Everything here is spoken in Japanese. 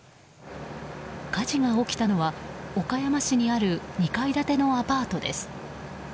火事が起きたのは岡山市にある２階建てのアパートです。